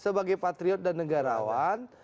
sebagai patriot dan negarawan